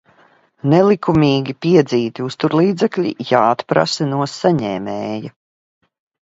Nelikumīgi piedzīti uzturlīdzekļi jāatprasa no saņēmēja.